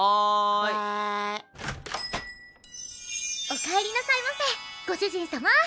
おかえりなさいませご主人さま。